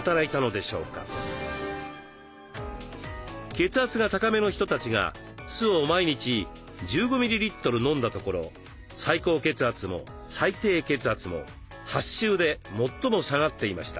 血圧が高めの人たちが酢を毎日１５ミリリットル飲んだところ最高血圧も最低血圧も８週で最も下がっていました。